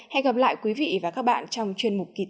hẹn gặp lại quý vị và các bạn trong chuyên mục kỳ sau